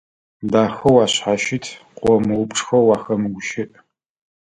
Дахэу ашъхьащыт, къыомыупчӀхэу уахэмыгущыӀ.